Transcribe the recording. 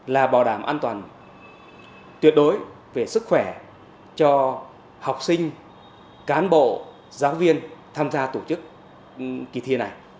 là bảo đảm an toàn tuyệt đối về sức khỏe cho học sinh cán bộ giáo viên tham gia tổ chức kỳ thi này